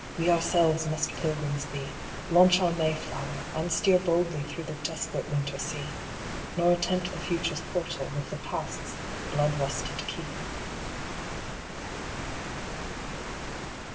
we ourselves must Pilgrims be, Launch our Mayflower, and steer boldly through the desperate winter sea, Nor attempt the Future's portal with the Past's blood rusted key.